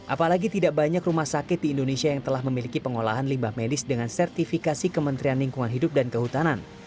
apalagi tidak banyak rumah sakit di indonesia yang telah memiliki pengolahan limbah medis dengan sertifikasi kementerian lingkungan hidup dan kehutanan